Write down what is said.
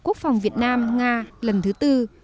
quốc phòng việt nam nga lần thứ tư